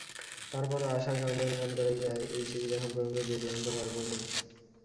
তার পরও আশার কারণটা অনুমান করাই যায়—এই সিরিজে এখন পর্যন্ত দুর্দান্ত পারফরম্যান্স।